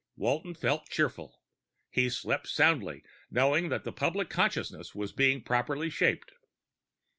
Walton felt cheerful. He slept soundly, knowing that the public consciousness was being properly shaped.